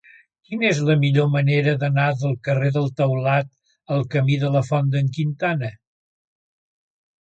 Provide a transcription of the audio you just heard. Quina és la millor manera d'anar del carrer del Taulat al camí de la Font d'en Quintana?